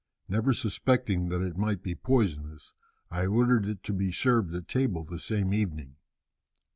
Never suspecting that it might be poisonous, I ordered it to be served at table the same evening.